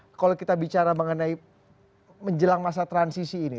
nah kalau kita bicara mengenai menjelang masa transisi ini